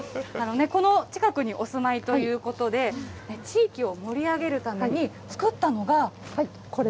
この近くにお住まいということで、地域を盛り上げるために作ったのが。